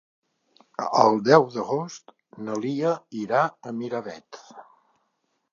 El deu d'agost na Lia irà a Miravet.